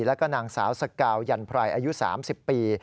แล้วก็นางสาวสกาวยันไพรอายุ๓๐ปี